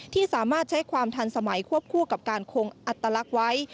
ที่สามารถใช้ความทันสมัยควบคู่กับการคงอัตลักษณ์ไว้